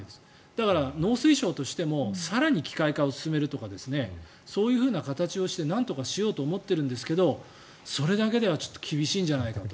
だから、農水省としても更に機械化を進めるとかそういうような形をしてなんとかしようと思っているんですけどそれだけでは厳しいんじゃないかと。